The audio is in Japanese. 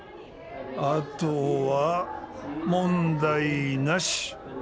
あとは問題なし。